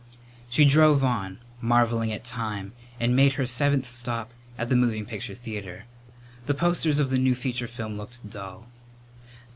She drove on, marvelling at time, and made her seventh stop at the moving picture theatre. The posters of the new feature film looked dull.